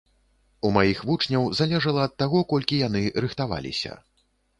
У маіх вучняў залежала ад таго, колькі яны рыхтаваліся.